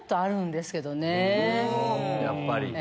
やっぱり。